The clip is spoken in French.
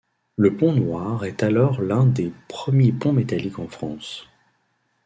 Le pont noir est alors l'un des premiers ponts métalliques en France.